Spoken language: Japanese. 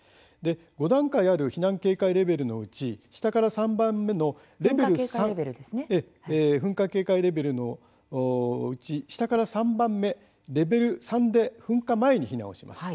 ５段階ある避難警戒レベルのうち噴火警戒レベルのうち下から３番目、レベル３で噴火前に避難をします。